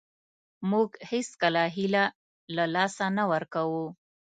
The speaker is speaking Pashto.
موږ هېڅکله هیله له لاسه نه ورکوو .